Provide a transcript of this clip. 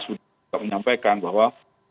sudah menyampaikan bahwa